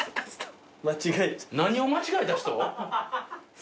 何を間違えた人？